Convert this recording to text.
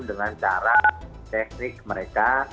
dengan cara teknik mereka